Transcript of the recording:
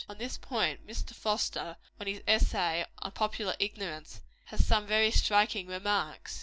On this point, Mr. Foster, in his essay on Popular Ignorance, has some very striking remarks.